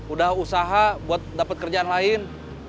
udah usaha buat dapat kerjaan lain